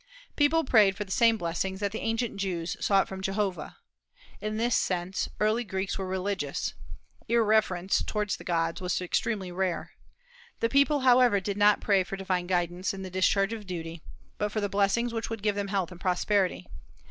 People prayed for the same blessings that the ancient Jews sought from Jehovah. In this sense the early Greeks were religious. Irreverence toward the gods was extremely rare. The people, however, did not pray for divine guidance in the discharge of duty, but for the blessings which would give them health and prosperity.